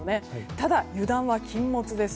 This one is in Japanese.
ただ、油断は禁物です。